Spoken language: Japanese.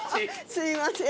すいません。